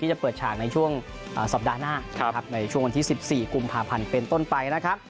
จะเปิดฉากในช่วงสัปดาห์หน้านะครับในช่วงวันที่๑๔กุมภาพันธ์เป็นต้นไปนะครับ